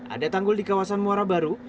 ada tanggul di kawasan muara baru